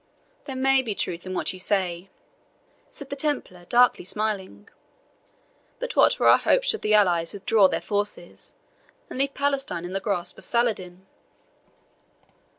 "There may be truth in what you say," said the Templar, darkly smiling. "But what were our hopes should the allies withdraw their forces, and leave Palestine in the grasp of Saladin?"